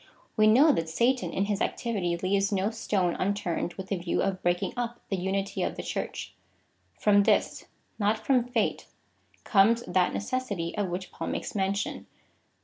We know that Satan, in his activity, leaves no stone unturned with the view of breaking up the unity of the Church. From this — not from fate — comes that necessity of which Paul makes mention.